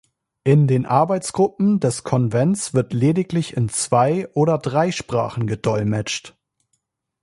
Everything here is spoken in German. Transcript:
In den Arbeitsgruppen des Konvents wird lediglich in zwei oder drei Sprachen gedolmetscht.